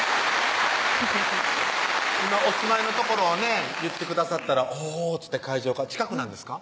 今お住まいの所をね言ってくださったら「おぉ」っつって会場が近くなんですか？